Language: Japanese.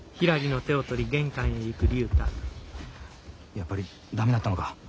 やっぱり駄目だったのか？